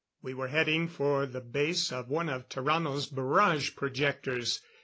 We were heading for the base of one of Tarrano's barrage projectors.